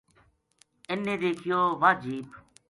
اِ ن نے دیکھیو واہ جیپ